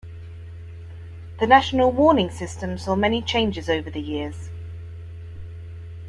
The national warning system saw many changes over the years.